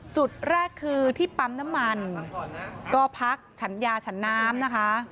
จุดแรกคือที่ปั๊มน้ำมันก็พักฉันยาฉันน้ำนะคะ